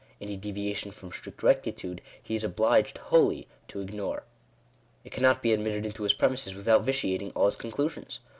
Any deviation from strict rectitude he is obliged wholly to ignore. It cannot be admitted into his premises without vitiating all his conclusions.